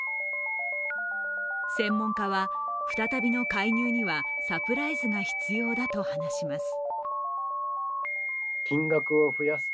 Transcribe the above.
専門家は、再びの介入にはサプライズが必要だと話します。